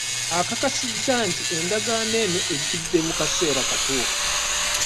Akakasizza nti endagaano eno ejjidde mu kaseera katuufu